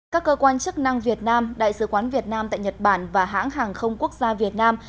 các cơ quan chức năng việt nam đại sứ quán việt nam tại nhật bản và hãng hàng không quốc gia việt nam